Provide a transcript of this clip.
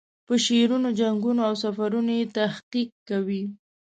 په شعرونو، جنګونو او سفرونو یې تحقیق کوي.